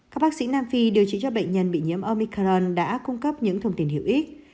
các bác sĩ nam phi điều trị cho bệnh nhân bị nhiễm omican đã cung cấp những thông tin hữu ích